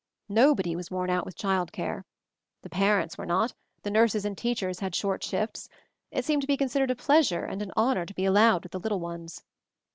Nobody was worn out with child care. The parents were not — the nurses and teachers had short shifts — it seemed to be considered a pleasure and an honor to be allowed with the little ones.